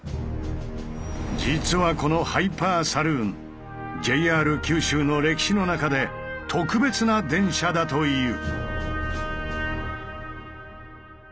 実はこの「ハイパーサルーン」ＪＲ九州の歴史の中で特別な電車だという。